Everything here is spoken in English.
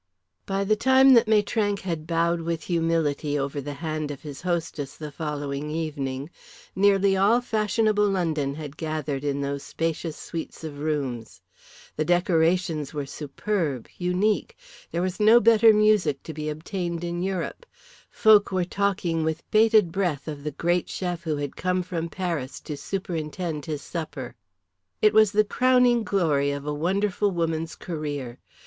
By the time that Maitrank had bowed with humility over the hand of his hostess the following evening nearly all fashionable London had gathered in those spacious suites of rooms. The decorations were superb, unique; there was no better music to be obtained in Europe. Folk were talking with bated breath of the great chef who had come from Paris to superintend his supper. It was the crowning glory of a wonderful woman's career.